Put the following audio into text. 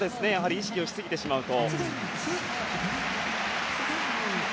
意識をしすぎてしまうと。